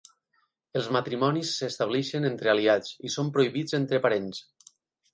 Els matrimonis s'estableixen entre aliats i són prohibits entre parents.